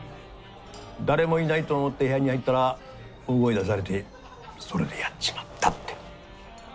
誰もいないと思って部屋に入ったら大声出されてそれでやっちまったって。